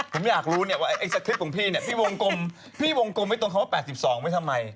ผมอยากรู้เนี่ยว่าไอ้สคริปต์ของพี่เนี่ยพี่วงกลมพี่วงกลมไว้ตรงคำว่า๘๒ไว้ทำไม